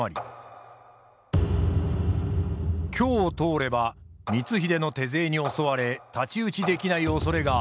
京を通れば光秀の手勢に襲われ太刀打ちできないおそれがあった。